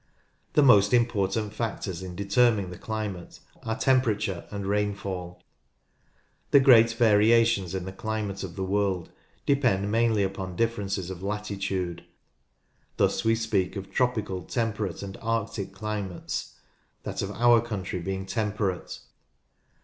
The most important factors in determining the climate are temperature and rainfall. The great variations in the climate of the world depend mainly upon differences of latitude ; thus we speak of tropical, temperate, and arctic climates; that of our country being temperate.